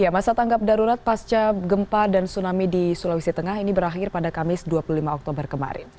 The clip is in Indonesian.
masa tanggap darurat pasca gempa dan tsunami di sulawesi tengah ini berakhir pada kamis dua puluh lima oktober kemarin